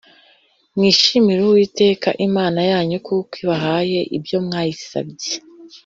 mwishimire uwiteka imana yanyu kuko ibahaye ibyo mwayisabye